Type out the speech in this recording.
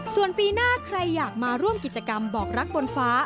ส่วนปีหน้าใครอยากมาร่วมกิจกรรมบอกรักบนฟ้า